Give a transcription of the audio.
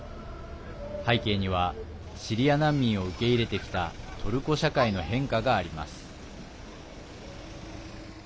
背景には、シリア難民を受け入れてきたトルコ社会の変化があります。